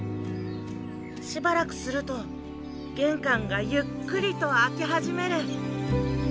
しばらくすると玄関がゆっくりと開き始める。